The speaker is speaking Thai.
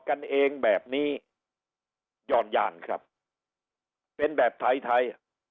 กันเองแบบนี้ยอดย่านครับเป็นแบบไทย